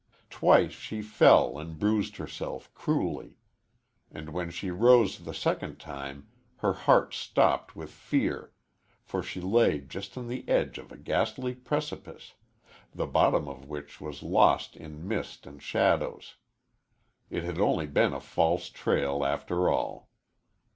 Twice she fell and bruised herself cruelly. And when she rose the second time, her heart stopped with fear, for she lay just on the edge of a ghastly precipice the bottom of which was lost in mist and shadows. It had only been a false trail, after all.